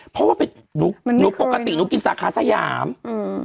เพราะว่าเป็นมันไม่เคยนูนูปกตินูกินสาขาสยามอืม